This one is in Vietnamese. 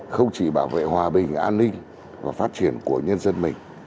không chỉ bảo vệ hòa bình an ninh và phát triển của nhân dân mình